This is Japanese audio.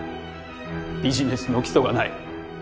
ビジネスの基礎がない。